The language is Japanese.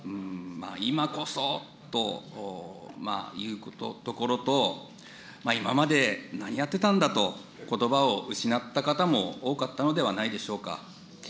今こそというところと、今まで何やってたんだと、ことばを失った方も多かったのではないでしょうか。